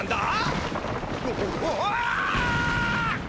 ああ。